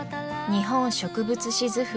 「日本植物志図譜」